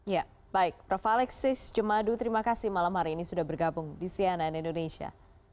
ya baik prof alexis jemadu terima kasih malam hari ini sudah bergabung di cnn indonesia